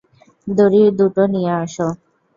দড়ি দুটো নিয়ে আসো।